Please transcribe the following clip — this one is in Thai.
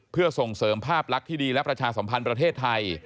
เพื่อส่งเสริมภาพลักษณ์ที่ดีและประชาสัมพันธ์ประเทศไทย